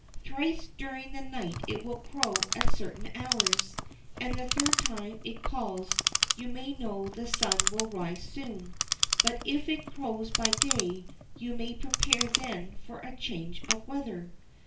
Thrice during the night it will crow at certain hours, and the third time it calls you may know the sun will soon rise; but, if it crows by day, you may prepare then for a change of weather."